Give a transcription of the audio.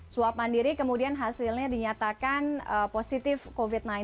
swab mandiri kemudian hasilnya dinyatakan positif covid sembilan belas